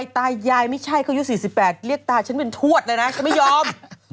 ตายายไม่ใช่เขายุค๔๘เรียกตาฉันเป็นทวดเลยนะฉันไม่ยอม